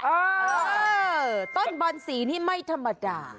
เออต้นบอนสีนี่ไม่ธรรมดา